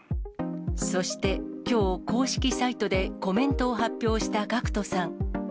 そしてきょう、公式サイトでコメントを発表したＧＡＣＫＴさん。